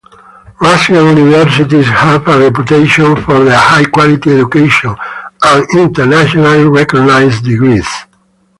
Russian universities have a reputation for their high-quality education and internationally recognized degrees.